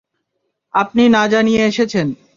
আপনি না জানিয়ে এসেছেন।